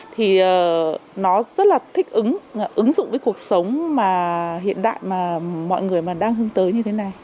thì nó rất là thích ứng dụng với cuộc sống hiện đại mà mọi người đang hướng tới như thế này